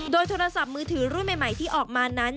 โดยโทรศัพท์มือถือรุ่นใหม่ที่ออกมานั้น